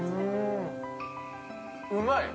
うまい！